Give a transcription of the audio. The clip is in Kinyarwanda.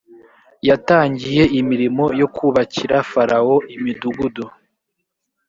yatangiye imirimo yo kubakira farawo imidugudu.